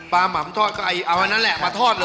หม่ำทอดก็เอาอันนั้นแหละมาทอดเลย